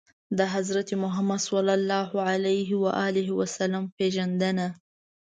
د حضرت محمد ﷺ پېژندنه